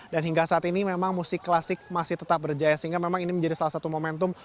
dan hingga saat ini memang musik klasik masih tetap berjaya sehingga memang ini menjadi salah satu momentum